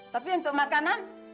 tapi untuk makanan